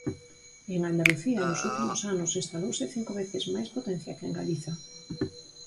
E en Andalucía, nos últimos anos, instalouse cinco veces máis potencia que en Galiza.